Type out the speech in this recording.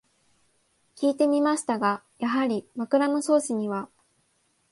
きいてみましたが、やはり「枕草子」には